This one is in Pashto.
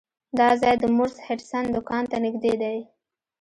دا ځای د مورس هډسن دکان ته نږدې دی.